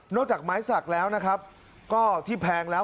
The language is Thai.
จากไม้สักแล้วนะครับก็ที่แพงแล้ว